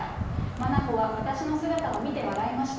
まなほは私の姿を見て笑いました。